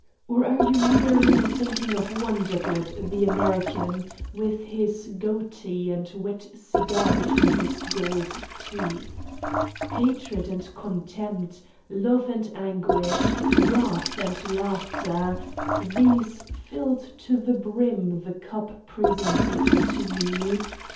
Or are you merely thinking of Wondergood, the American, with his goatee and wet cigar between his gold teeth ! Ha tred and contempt, love and anguish, wrath and laughter, these filled to the brim the cup pre sented to Me